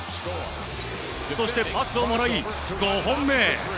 そして、パスをもらい５本目！